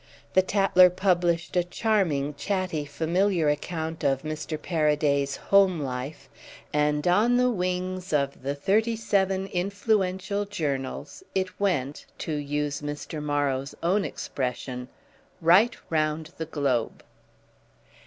The Tatler published a charming chatty familiar account of Mr. Paraday's "Home life," and on the wings of the thirty seven influential journals it went, to use Mr. Morrow's own expression, right round the globe.